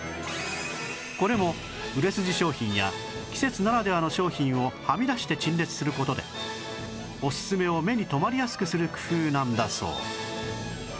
これも売れ筋商品や季節ならではの商品をはみ出して陳列する事でオススメを目に留まりやすくする工夫なんだそう